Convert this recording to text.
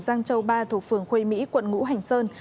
giang châu ba thuộc phường khuê mỹ quận ngũ hành sơn